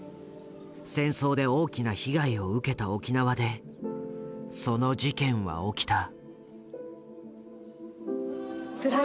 戦争で大きな被害を受けた沖縄でその事件は起きた。